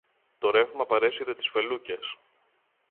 Το ρεύμα παρέσυρε τις φελούκες